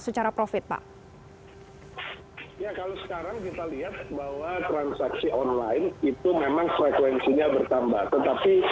secara profit pak ya kalau sekarang kita lihat bahwa transaksi online itu memang frekuensinya bertambah tetapi